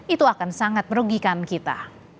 itu akan sangat merugikan kita